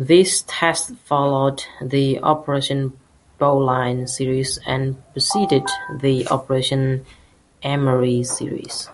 These tests followed the "Operation Bowline" series and preceded the "Operation Emery" series.